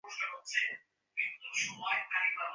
অমিত মৃদুস্বরে বললে, অপরাধ করেছি।